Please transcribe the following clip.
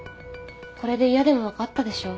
これで嫌でも分かったでしょ？